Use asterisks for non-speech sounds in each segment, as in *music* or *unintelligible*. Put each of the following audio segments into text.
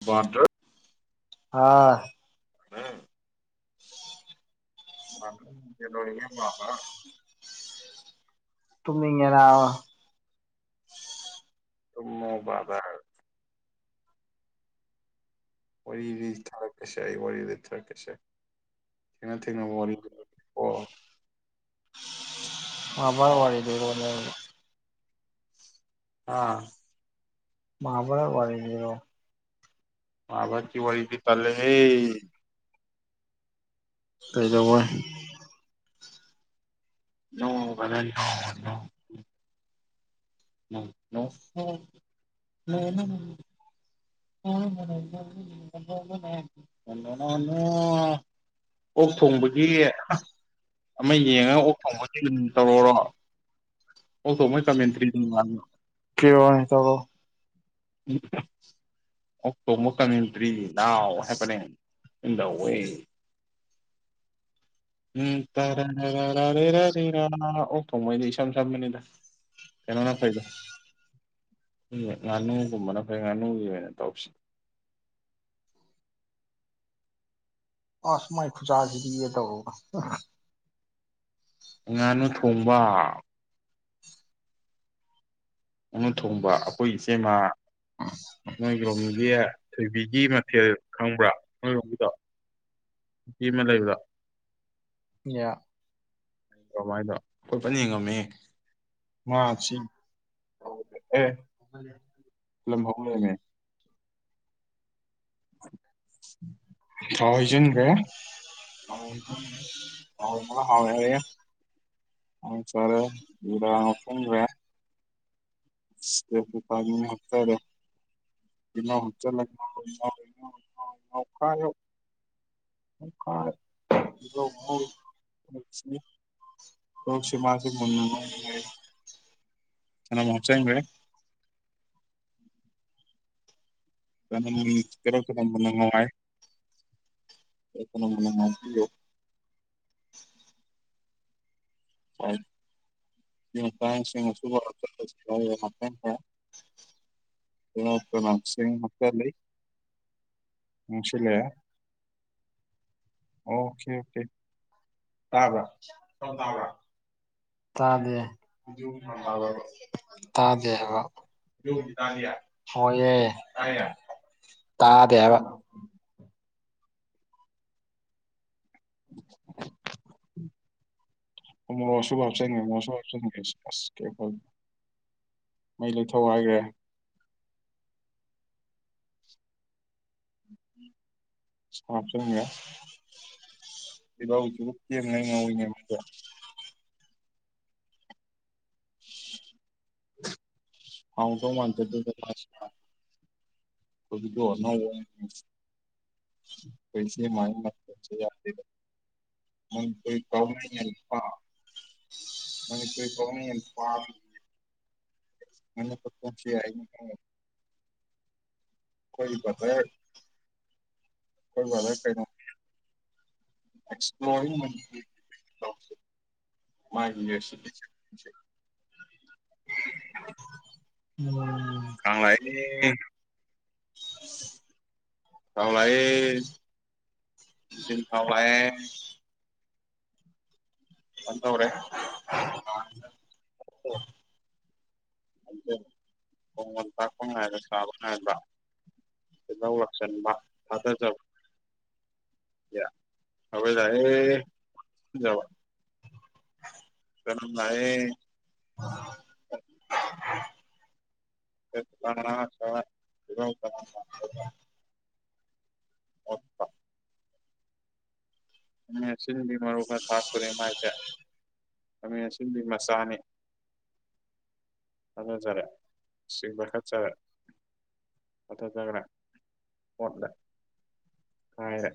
ꯕꯥꯗꯔ ꯍꯥꯑ ꯀꯩꯗꯧꯔꯤꯒꯦꯕ *unintelligible* ꯇꯨꯝꯅꯤꯡꯉꯦ ꯅꯥꯕ *unintelligible* ꯇꯨꯝꯃꯣ ꯕꯥꯗꯔ ꯋꯥꯔꯤ ꯂꯤ ꯊꯥꯔꯛꯀꯦꯁꯦ ꯑꯩ ꯋꯥꯔꯤ ꯂꯤꯊꯔꯛꯀꯦꯁꯦ ꯊꯦꯡꯅ ꯊꯦꯡꯅ ꯋꯥꯔꯤ *unintelligible* ꯀꯣ ꯃꯍꯥꯚꯥꯔꯠ ꯋꯥꯔꯤꯂꯤꯔꯣꯅꯦ ꯑꯗꯨ__ ꯍꯥ *unintelligible* ꯃꯍꯥꯚꯥꯔꯠ ꯋꯥꯔꯤ ꯂꯤꯔꯛꯑꯣ ꯃꯍꯥꯚꯥꯔꯠꯀꯤ ꯋꯥꯔꯤꯗꯤ ꯇꯜꯂꯦꯍꯦ ꯀꯩꯗꯧꯕꯩ ꯅꯣ ꯕ꯭ꯔꯗꯔ ꯅꯣ ꯅꯣ *unintelligible* *unintelligible* ꯑꯣꯛ ꯊꯣꯡꯕꯒꯤ ꯑꯁ__ ꯑꯃ ꯌꯦꯡꯉꯒ ꯑꯣꯛ ꯊꯣꯡꯕꯖꯤꯡ ꯑꯗꯨꯝ ꯇꯧꯔꯛꯑꯣꯔꯣ ꯑꯣꯛ ꯊꯣꯡꯕꯩ ꯀꯃꯦꯟꯇ꯭ꯔꯤ ꯅꯪ ꯀꯤꯔꯛꯑꯣꯅꯦ ꯇꯧꯔꯛꯑꯣ *unintelligible* ꯑꯣꯛꯊꯣꯡꯕ ꯀꯃꯦꯟꯇ꯭ꯔꯤ ꯅꯥꯎ ꯍꯥꯏꯔꯛꯄꯅꯦ ꯏꯟ ꯗ ꯋꯦ *inaudible* ꯎꯝ *unintelligible* ꯑꯣꯛ ꯊꯣꯡꯕꯩꯗꯤ ꯏꯁꯝ ꯁꯝꯕꯅꯤꯗ ꯀꯩꯅꯣꯅ ꯐꯩꯗ ꯎꯝ ꯉꯥꯅꯨꯒꯨꯝꯕꯅ ꯐꯩ ꯉꯥꯅꯨꯒꯤ ꯑꯣꯏꯅ ꯇꯧꯁꯤ ꯑꯥꯁ ꯃꯥꯏ ꯈꯨꯆꯥꯁꯤꯗꯤ ꯇꯧꯔꯛꯎ *unintelligible* ꯉꯥꯅꯨ ꯊꯣꯡꯕ ꯉꯥꯅꯨ ꯊꯣꯡꯕ ꯑꯩꯈꯣꯏ ꯏꯆꯦꯝꯃꯥ ꯅꯣꯏ ꯔꯣꯝꯍꯣꯏꯒꯤ ꯊꯣꯏꯕꯤꯒꯤ ꯃꯊꯦꯜ ꯈꯪꯕ꯭ꯔꯥ ꯅꯣꯏꯔꯣꯝꯒꯤꯗꯣ ꯅꯨꯄꯤ ꯑꯃ ꯂꯩꯕꯗꯣ ꯌꯥ ꯀꯃꯥꯏꯅ *unintelligible* ꯌꯦꯡꯉꯝꯃꯦ ꯃꯥꯁꯤ ꯑꯦ ꯍꯧꯃꯜꯂꯦ ꯂꯝ ꯍꯧꯔꯦꯅꯦ ꯊꯥꯎ ꯍꯩꯖꯤꯟꯒ꯭ꯔꯦ *unintelligible* ꯈꯥꯡ ꯁꯥꯔꯦ ꯖꯤꯔꯥ ꯍꯥꯞꯆꯤꯟꯒ꯭ꯔꯦ ꯇꯦꯖꯕꯇꯥ ꯃꯅꯥ ꯍꯥꯞꯊꯔꯦ ꯇꯤꯜꯂꯧ ꯍꯥꯞꯆꯤꯜꯂꯦ ꯉꯧꯔꯦ ꯉꯧꯔꯦ ꯉꯧꯔꯦ ꯉꯧꯔꯦ ꯉꯧꯈꯥꯏꯌꯨ *inaudible* ꯍꯣꯏ *unintelligible* ꯂꯧꯁꯤ ꯃꯥꯁꯤ ꯃꯨꯟꯅ ꯉꯧ ꯆꯅꯝ ꯍꯥꯞꯆꯤꯟꯒ꯭ꯔꯦ ꯆꯅꯝ ꯇꯤꯜꯂꯧ ꯆꯅꯝ ꯃꯨꯟꯅ ꯉꯧ ꯍꯥꯏ ꯇꯤꯜꯂꯧ ꯆꯅꯝ ꯃꯨꯟꯅ ꯉꯧꯕꯤꯔꯦ ꯍꯣꯏ ꯁꯤꯃꯇꯥꯡ ꯁꯤꯡ ꯑꯁꯨꯕ ꯍꯥꯞꯆꯤꯜꯂꯁꯤ *unintelligible* ꯆꯦꯡ ꯍꯥꯞꯆꯜꯂꯤ ꯉꯧꯁꯤꯜꯂꯛꯑꯦ ꯑꯣꯀꯦ ꯑꯣꯀꯦ ꯇꯥꯕ꯭ꯔꯥ ꯇꯞ ꯇꯥꯕ꯭ꯔꯥ ꯇꯥꯗꯦ ꯇꯥꯕ꯭ꯔꯕ *unintelligible* ꯇꯥꯗꯦ ꯍꯥꯏꯕ *unintelligible* ꯍꯣꯏꯌꯦ ꯇꯥꯏꯌꯦ *unintelligible* ꯇꯥꯗꯦ ꯍꯥꯏꯕ ꯎꯃꯣꯔꯣꯛ ꯑꯁꯨꯕ ꯃꯣꯔꯣꯛ ꯑꯁꯨꯕ ꯍꯥꯞꯆꯟꯒ꯭ꯔꯦ ꯑꯥꯁ *unintelligible* *unintelligible* ꯃꯩ ꯂꯩꯊꯧ ꯍꯥꯏꯒ꯭ꯔꯦ ꯁꯥ ꯍꯥꯞꯆꯟꯒ꯭ꯔꯦ ꯇꯤꯜꯂꯧꯖꯨ ꯀꯦꯡꯅ ꯉꯧꯋꯤꯅꯕꯀꯣ ꯍꯥꯎꯗꯧ ꯃꯥꯟꯖꯗꯦꯗꯥ ꯁꯥꯁꯦ *unintelligible* ꯑꯣꯏꯅ *unintelligible* ꯄꯩꯁ ꯃꯥꯏ ꯌꯥ ꯃ ꯀ ꯃꯅꯤ ꯀꯣꯏ ꯀꯅ ꯃꯅ ꯄꯁꯤ ꯍꯥꯏ ꯑꯩꯈꯣꯏ ꯂꯔ ꯑꯩꯈꯣꯏ ꯂꯔ ꯀꯩꯅꯣ ꯑꯦꯁꯄ꯭ꯂꯣꯔꯤꯁꯤ *unintelligible* ꯎꯝ ꯀꯥꯡ ꯂꯥꯛꯑꯦ ꯊꯥꯎ ꯑ ꯊꯥꯏ ꯧ꯭ꯔꯦ ꯀꯉꯟ ꯇ ꯁꯕꯅꯗ ꯂꯧꯧ ꯂꯥꯛꯁꯟꯕ ꯊꯥꯗꯖꯕ ꯍꯣꯏ ꯌꯥꯌꯦꯕ ꯀꯝꯅꯥ ꯍ *unintelligible* ꯎ ꯑ ꯈꯥꯃꯤ ꯑꯁꯤꯟꯕꯤ ꯃꯔꯨꯒ ꯊꯥꯛꯄꯅꯤ ꯃꯥꯏꯁꯦ ꯈꯥꯃꯤ ꯑꯁꯤꯟꯕꯤ ꯃꯆꯥꯅꯤ ꯍꯅꯖꯔ ꯁꯤꯁꯤꯡꯕ ꯈꯥ ꯆꯔꯥ ꯃꯊ ꯆ ꯍꯠꯇ ꯀꯥꯏꯔ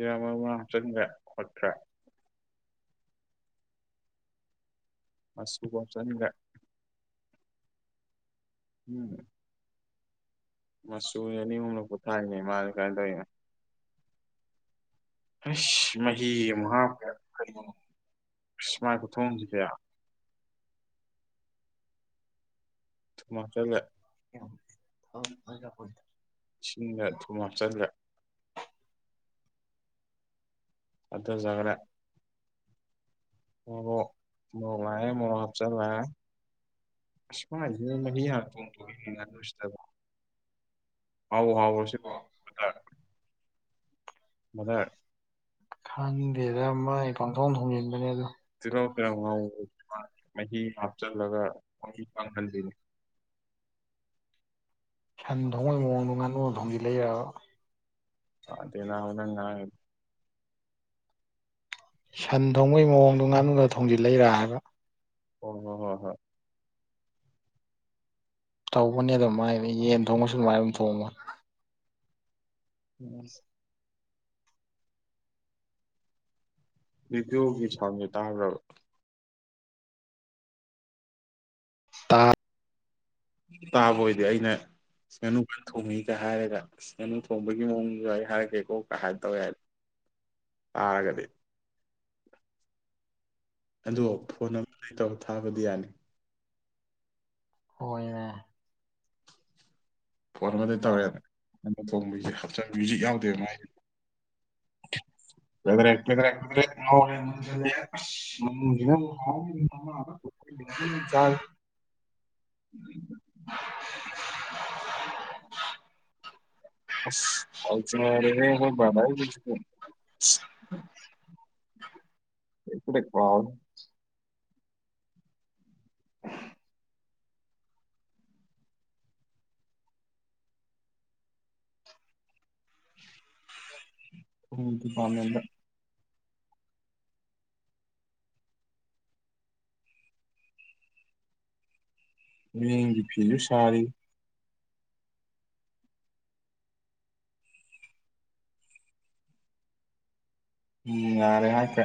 ꯦ ꯑꯃ ꯑꯃ ꯍꯥꯞꯆꯤꯟꯈ꯭ꯔꯦ ꯈꯣꯠꯈ꯭ꯔꯦ ꯃꯁꯨꯕ ꯆꯒ ꯎꯝ ꯃꯆꯨ ꯑꯅꯤ ꯑꯨꯝꯅꯛꯨ ꯊꯥꯏꯅꯤ ꯃꯥꯁꯦ ꯀꯃꯥꯏꯅ ꯇꯧꯔꯤꯅꯦ ꯈ꯭ꯁ ꯃꯍꯤ ꯑꯃꯛ ꯍꯥꯞꯄ ꯈ꯭ꯔꯤꯁꯃꯥꯏ ꯈꯨꯊꯣꯡꯁꯤꯗꯌꯥ ꯊꯃꯆꯜꯂ ꯏꯁꯤꯡꯗ ꯊꯨꯃꯥꯆꯜꯂ ꯑꯗ ꯃꯔꯆꯔ ꯑꯁꯃꯥ ꯑꯥꯎ ꯑꯥꯎ ꯁꯤꯀꯣ ꯃꯗꯔ ꯃꯗꯔ ꯈꯥꯡꯗꯦꯗ ꯃꯥꯥꯏ ꯄꯪꯊꯣꯡ ꯊꯣꯡꯖꯤꯟꯕꯅꯦ ꯑꯗꯣ ꯇꯤꯜꯍꯧ ꯆꯅꯝ ꯉꯧꯕ ꯃꯍꯤ ꯍꯥꯞꯆꯤꯜꯂꯒ ꯃꯍꯤ ꯇꯥꯗꯤꯌꯦ ꯀꯪꯍꯟꯗꯣꯏꯅꯤ ꯁꯟ ꯊꯣꯡꯣꯏꯒꯤ ꯃꯑꯣꯡꯗꯣ ꯉꯥꯨ ꯊꯣꯡꯗꯤ ꯂꯩꯔ ꯑꯗꯩ ꯅꯍꯥꯟ ꯅꯪ ꯉꯥꯡꯉꯤꯗꯣ ꯁꯟ ꯊꯣꯡꯕꯩ ꯃꯑꯣꯡꯗꯣ ꯉꯥꯅꯨꯒ ꯊꯣꯡꯖꯤꯜ ꯂꯩꯔꯛꯑꯒ ꯑꯣ ꯍꯣ ꯍꯣ ꯍꯣ ꯇꯧꯕꯅꯤ ꯑꯗꯨ ꯃꯥꯏ ꯌꯦꯟ ꯊꯣꯡꯉꯁꯨ ꯑꯗꯨꯃꯥꯏꯅ ꯑꯗꯨꯝ ꯊꯣꯡꯉ ꯎꯝ ꯚꯚꯌꯨꯒꯤ ꯁꯥꯎꯟꯁꯦ ꯇꯥꯈ꯭ꯔꯕ ꯇꯥ ꯇꯥꯕ ꯑꯣꯏꯗꯤ ꯑꯩꯅ ꯉꯥꯅꯨ ꯊꯧꯉꯒ ꯍꯥꯏꯔꯒ ꯉꯥꯅꯨ ꯊꯣꯡꯕꯒꯤ ꯃꯑꯣꯡꯗ ꯑꯩ ꯍꯥꯏꯔꯛꯀꯦꯀꯣ ꯀ ꯍꯥꯏ ꯇꯧꯋꯦ ꯍꯥꯏꯗꯤ ꯇꯥꯔꯒꯗꯤ ꯑꯗꯣ ꯐꯣꯟ ꯑꯃꯗꯩ ꯇꯧꯔ ꯊꯥꯕꯗꯤ ꯌꯥꯅꯤ *unintelligible* ꯐꯣꯟ ꯑꯃꯗꯩ ꯇꯧꯔꯦ *unintelligible* ꯃ꯭ꯌꯨꯖꯤꯛ *unintelligible* ꯃ꯭ꯌꯨꯖꯤꯛ ꯌꯥꯎꯗꯦꯗ ꯃꯥꯏ ꯀꯦꯗ꯭ꯔꯦꯛ *unintelligible* ꯀꯦꯗ꯭ꯔꯦꯛ *unintelligible* ꯀꯦꯗ꯭ꯔꯦꯛ *unintelligible* ꯉꯧꯔꯦ ꯃꯨꯟꯖꯤꯜꯂꯛꯑꯦ ꯑꯁ ꯂꯥꯎꯔꯤꯅꯤꯅ *unintelligible* ꯍꯥꯎꯅꯤ *unintelligible* ꯆꯥꯛ *unintelligible* *unintelligible* ꯑꯁ *unintelligible* ꯈꯣꯏ ꯚꯔꯗ꯭ꯔꯒꯤꯁꯗꯤ ꯁ *unintelligible* *unintelligible* *unintelligible* *inaudible* *inaudible* *unintelligible* ꯈꯣꯡꯎꯞꯇꯨ ꯄꯥꯝꯃꯦꯅ *unintelligible* ꯃꯦꯡꯒꯤ ꯐꯤꯁꯨ ꯁꯥꯔꯤ ꯎꯝ ꯉꯥꯔꯦ ꯍꯥꯏꯈ꯭ꯔꯦ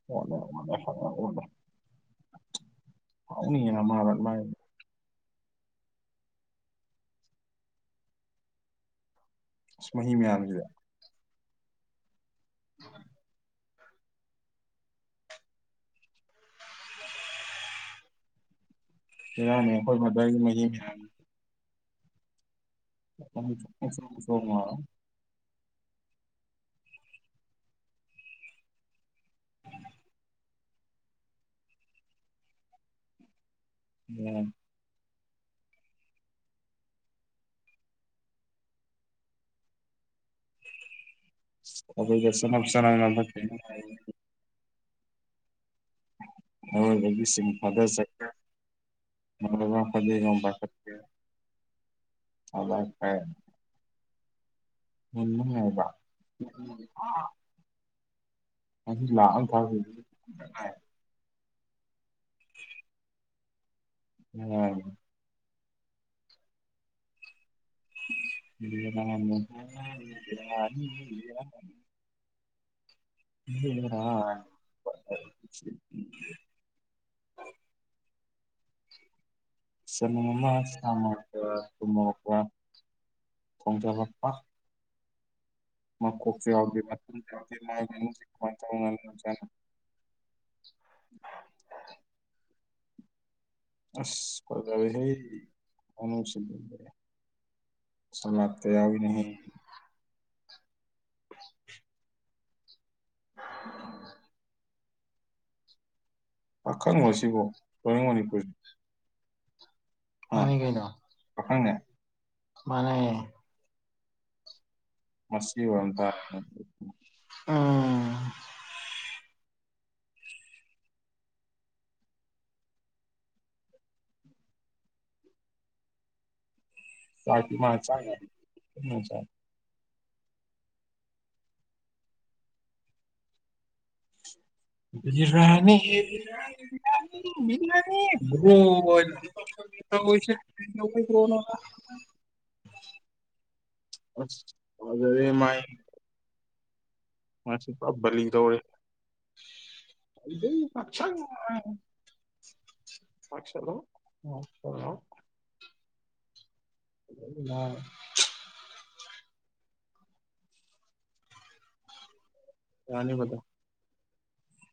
*unintelligible* *unintelligible* *unintelligible* ꯍꯥꯎꯅꯤꯌꯦ ꯅꯃꯥꯃꯠ ꯃꯥꯏ ꯁ ꯃꯍꯤ ꯃꯌꯥꯝꯁꯤꯗꯦ *unintelligible* *unintelligible* ꯏꯔꯥꯡꯅꯦ ꯑꯩꯈꯣꯏ ꯃꯗꯔꯒꯤ ꯃꯍꯤ *unintelligible* *unintelligible* *unintelligible* *unintelligible* *unintelligible* *inaudible* ꯁ ꯑꯗꯨꯒ ꯆꯅꯞ *unintelligible* *unintelligible* ꯑꯔꯣꯏꯕꯒꯤ ꯁꯤꯡ *unintelligible* *unintelligible* *unintelligible* *unintelligible* ꯃꯨꯟꯕ *unintelligible* ꯉꯥꯏꯕ *unintelligible* *unintelligible* ꯃꯍꯤ ꯑꯗꯨꯢ ꯂꯥꯛ ꯑꯃ ꯑꯝ *unintelligible* ꯊꯥꯈꯤꯕ *unintelligible* ꯉꯥꯏ *unintelligible* *unintelligible* *unintelligible* *unintelligible* *unintelligible* *unintelligible* *unintelligible* *unintelligible* ꯁꯉꯝ ꯑꯃ ꯁꯥ ꯗ *unintelligible* ꯈꯣꯡꯖꯕ ꯄ ꯃꯀꯣꯛ ꯌꯥꯎꯔꯗꯤ ꯌꯥꯎꯗꯦ *unintelligible* *unintelligible* *unintelligible* ꯑꯁ ꯐꯖꯔꯦꯍꯦ *unintelligible* *unintelligible* ꯁꯅꯕꯇ ꯌꯥꯎꯏꯅꯦꯍꯩ *inaudible* ꯄꯥꯈꯪꯂꯣ ꯁꯤꯕꯣ *unintelligible* ꯃꯅꯤꯄꯨꯔ ꯃꯥꯅꯤ ꯀꯩꯅꯣ ꯄꯥꯈꯪꯅꯦ ꯃꯥꯅꯦ꯫ ꯃꯁꯤ ꯑꯣꯏꯔꯝ ꯃꯁꯤꯔꯣ ꯇꯥꯏ ꯇꯥꯔꯦꯅꯦ ꯎꯝ ꯆꯥꯛꯇꯤ ꯃꯥꯅ ꯆꯥꯏ *unintelligible* ꯆꯥꯏ *unintelligible* *unintelligible* *unintelligible* *unintelligible* ꯑꯈꯣꯏꯁꯦ *unintelligible* *unintelligible* ꯑꯁ ꯐꯖꯔꯦ *unintelligible* ꯃꯥꯥꯏ ꯃꯥꯁꯨ ꯄꯨꯔꯥ ꯕꯂꯤ ꯇꯧꯔꯦ꯫ ꯑꯗꯨꯝ ꯉꯥꯡꯁꯪ ꯉꯥꯡꯏ꯫ ꯉꯥꯛꯁꯜꯂꯣ ꯎꯝ *unintelligible* *inaudible* ꯌꯥꯅꯤꯕꯗꯣ